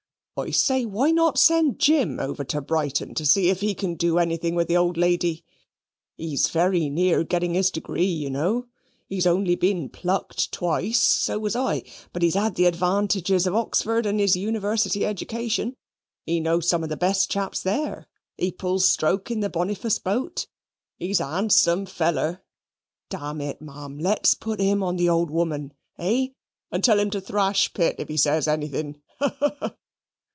"I say, why not send Jim over to Brighton to see if he can do anything with the old lady. He's very near getting his degree, you know. He's only been plucked twice so was I but he's had the advantages of Oxford and a university education. He knows some of the best chaps there. He pulls stroke in the Boniface boat. He's a handsome feller. D it, ma'am, let's put him on the old woman, hey, and tell him to thrash Pitt if he says anything. Ha, ha, ha!